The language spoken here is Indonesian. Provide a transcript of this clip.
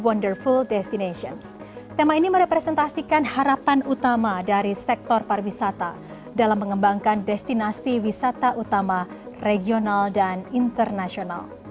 wonderful destinations tema ini merepresentasikan harapan utama dari sektor pariwisata dalam mengembangkan destinasi wisata utama regional dan internasional